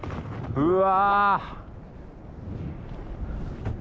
うわ！